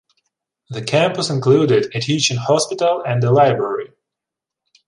The campus included a teaching hospital and a library.